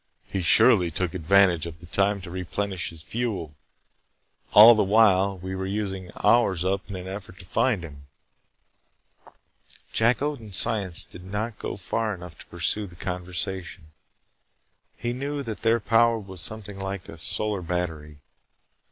He surely took advantage of the time to replenish his fuel. All the while, we were using ours up in an effort to find him." Jack Odin's science did not go far enough to pursue the conversation. He knew that their power was something like a solar battery.